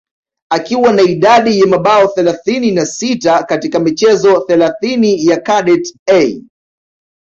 akiwa na idadi ya mabao thelathini na sita katika michezo thelathini ya kadet A